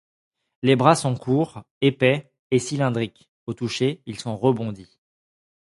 Les bras sont courts, épais et cylindriques, au toucher ils sont rebondis.